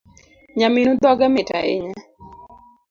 Nyaminu dhoge mit ahinya